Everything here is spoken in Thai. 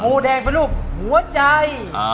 แดงเป็นรูปหัวใจ